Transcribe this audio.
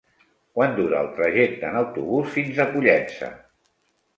Quant dura el trajecte en autobús fins a Pollença?